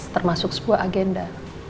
termasuk sebuah agenda